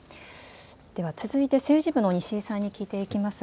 続いて政治部の西井さんに聞いていきます。